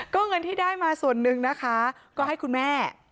ก็เงินที่ได้มาส่วนหนึ่งนะคะก็ให้คุณแม่